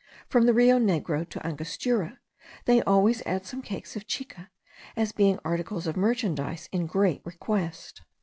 from the Rio Negro to Angostura, they always add some cakes of chica, as being articles of merchandise in great request.